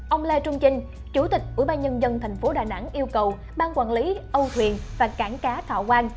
ông lê trung trinh chủ tịch ủy ban nhân dân thành phố đà nẵng yêu cầu ban quản lý âu thuyền và cảng cá thọ quang